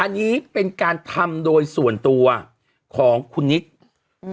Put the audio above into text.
อันนี้เป็นการทำโดยส่วนตัวของคุณนิกอืม